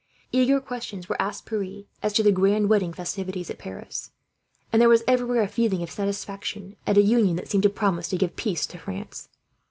Eager questions were asked Pierre as to the grand wedding festivities at Paris; and there was, everywhere, a feeling of satisfaction at a union that seemed to promise to give peace to France.